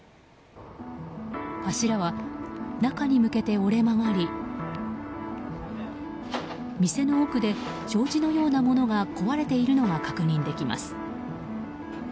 柱は、中に向けて折れ曲がり店の奥で障子のようなものが壊れているのが確認できます。